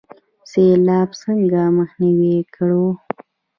سیلاب څنګه مخنیوی کړو؟